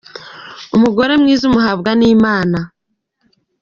umugore mwiza umuhabwa n'imana